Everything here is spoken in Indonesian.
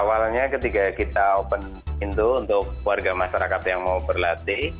awalnya ketika kita open pintu untuk warga masyarakat yang mau berlatih